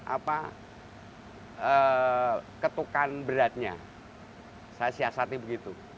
apa ketukan beratnya saya siasati begitu